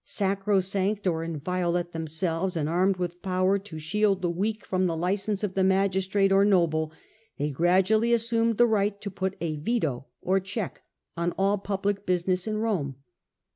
Sacrosanct or inviolate themselves, and armed with power to shield the weak from the license of magistrate or noble, they gradually assumed the right to put a veto or check on all public business in Rome.